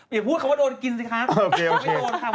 อย่าพูดคำว่าโดนกินสิคะ